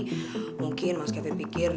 jadi mungkin mas kevin pikir